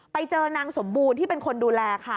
ไปเจอนางสมบูรณ์ที่เป็นคนดูแลค่ะ